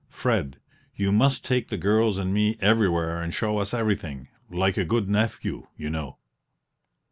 Fred, you must take the girls and me everywhere and show us everything, like a good nephew, you know."